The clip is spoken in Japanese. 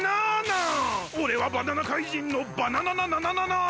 おれはバナナ怪人のバナナナナナナナーン！